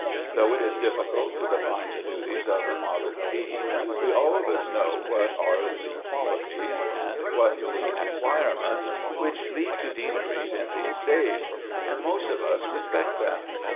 Though it is difficult to define the duties of a modern dean, we all of us know what are the qualities and what the acquirements which lead to deaneries in these days; and most of us respect them.